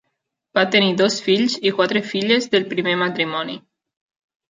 Va tenir dos fills i quatre filles del primer matrimoni.